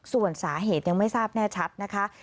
ส่วนสาเหตุยังไม่ทราบแน่ชัดนะคะ